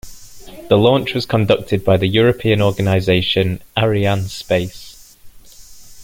The launch was conducted by the European organisation Arianespace.